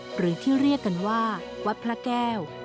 หรือที่เรียกกันว่าวัดพระแก้ว